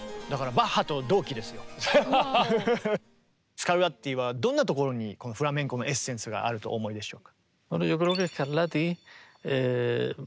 スカルラッティはどんなところにフラメンコのエッセンスがあるとお思いでしょう？